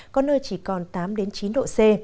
có nơi chỉ còn tám chín độ c